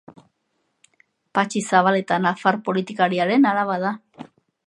Patxi Zabaleta nafar politikariaren alaba da.